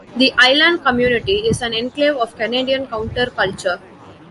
The island community is an enclave of Canadian counter-culture.